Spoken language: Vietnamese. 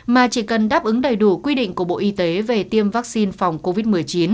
mà chỉ cần đáp ứng đầy đủ quy định của bộ y tế về tiêm vaccine phòng covid một mươi chín